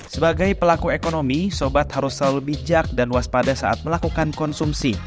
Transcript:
sebagai pelaku ekonomi sobat harus selalu bijak dan waspada saat melakukan konsumsi